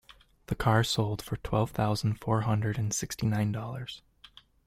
The car sold for twelve thousand four hundred and sixty nine dollars.